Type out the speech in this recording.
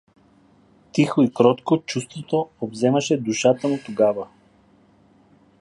Тихо и кротко чувство обземаше душата му тогава.